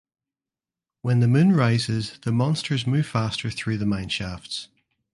When the moon rises the monsters move faster through the mine shafts.